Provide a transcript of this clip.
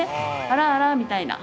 あらあらみたいな。